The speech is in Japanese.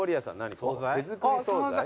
手作り総菜。